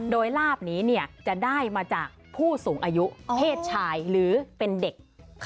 โดยลาบนี้จะได้มาจากผู้สูงอายุเพศชายหรือเป็นเด็ก